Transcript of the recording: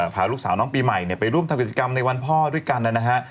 พาลูกสาวน้องปีใหม่ไปร่วมทำกิจกรรมในวันพ่อด้วยกันนะฮะ